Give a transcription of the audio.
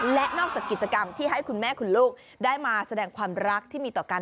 และนอกจากกิจกรรมที่ให้คุณแม่คุณลูกได้มาแสดงความรักที่มีต่อกัน